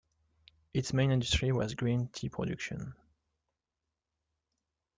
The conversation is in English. Its main industry was green tea production.